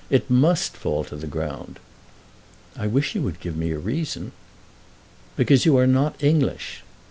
It must fall to the ground." "I wish you would give me a reason." "Because you are not English."